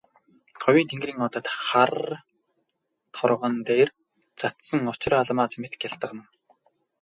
Говийн тэнгэрийн одод хар торгон дээр цацсан очир алмаас мэт гялтганан.